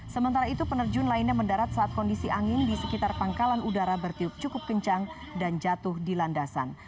sementara itu penerjun lainnya mendarat saat kondisi angin di sekitar pangkalan udara bertiup cukup kencang dan jatuh di landasan